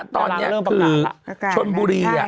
ตอนนี้คือชนบุรี